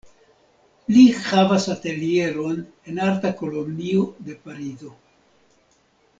Li havas atelieron en arta kolonio de Parizo.